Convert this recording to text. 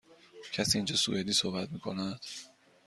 کسی اینجا سوئدی صحبت می کند؟